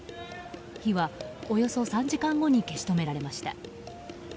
火はおよそ３時間後に消し止められました。